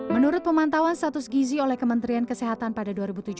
menurut pemantauan status gizi oleh kementerian kesehatan pada dua ribu tujuh belas